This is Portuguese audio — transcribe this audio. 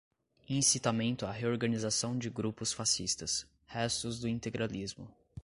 incitamento à reorganização de grupos fascistas, restos do integralismo